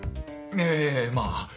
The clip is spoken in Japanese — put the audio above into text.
ええまあ。